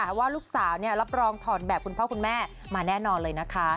เพราะว่าลูกสาวรับรองถอดแบบคุณพ่อคุณแม่มาแน่นอนเลยนะคะ